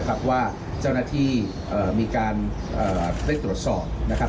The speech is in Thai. กันไปว่าเจ้าหน้าที่มีการเทรดตรวจสอบ